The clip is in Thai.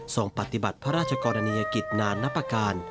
ปฏิบัติพระราชกรณียกิจนานนับประการ